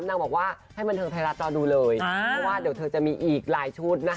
นางบอกว่าให้บันเทิงไทยรัฐรอดูเลยเพราะว่าเดี๋ยวเธอจะมีอีกหลายชุดนะคะ